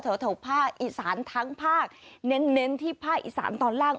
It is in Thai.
แถวภาคอีสานทั้งภาคเน้นที่ภาคอีสานตอนล่าง